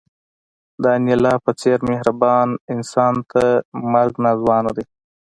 د انیلا په څېر مهربان انسان ته مرګ ناځوانه دی